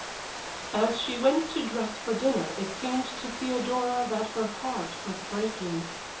As she went to dress for dinner it seemed to Theodora that her heart was breaking.